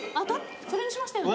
それにしましたよね。